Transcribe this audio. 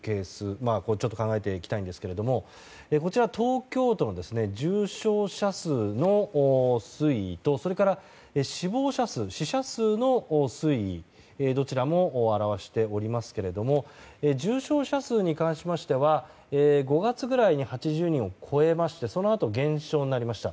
これを考えていきたいんですがこちらは東京都の重症者数の推移と死者数の推移をどちらも表していますが重症者数に関しましては５月くらいに８０人を超えましてそのあと、減少になりました。